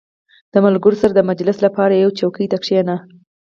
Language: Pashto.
• د ملګرو سره د مجلس لپاره یوې چوکۍ ته کښېنه.